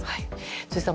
辻さん